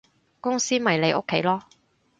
公司咪你屋企囉